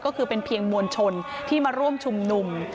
ก็คือเป็นเพียงมวลชนที่มาร่วมชุมนุม